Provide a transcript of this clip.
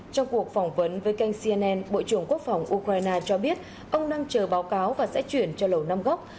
trong cuộc phỏng vấn với kênh cnn bộ trưởng quốc phòng ukraine cho biết ông đang chờ báo cáo và sẽ chuyển cho lầu năm góc